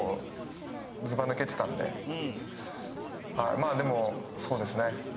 まあでもそうですね。